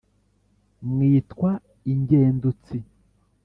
mwitwa ingendutsi